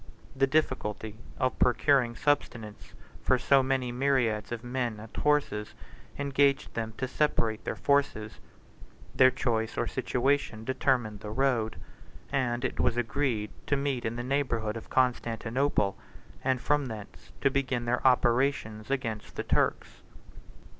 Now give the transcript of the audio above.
The difficulty of procuring subsistence for so many myriads of men and horses engaged them to separate their forces: their choice or situation determined the road; and it was agreed to meet in the neighborhood of Constantinople, and from thence to begin their operations against the Turks.